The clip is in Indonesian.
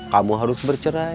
kamu harus bercerai